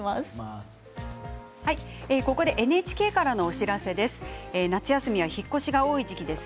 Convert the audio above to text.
ここでＮＨＫからのお知らせです。